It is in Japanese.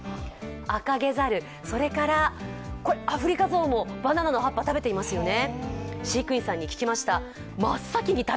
アカゲザル、これアフリカゾウもバナナの葉っぱ食べていますよね。